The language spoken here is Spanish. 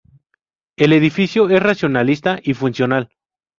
El edificio es racionalista y funcional.